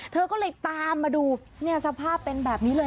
เธอก็เลยตามมาดูเนี่ยสภาพเป็นแบบนี้เลย